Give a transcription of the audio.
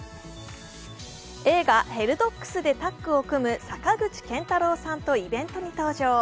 映画「ヘルドッグス」でタッグを組む坂口健太郎さんとイベントに登場。